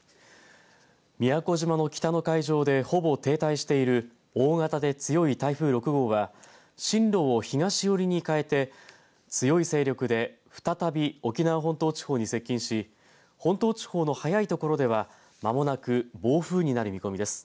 宮古島の北の海上でほぼ停滞している大型で強い台風６号は進路を東寄りに変えて強い勢力で再び沖縄本島地方に接近し本島地方の早いところではまもなく暴風になる見込みです。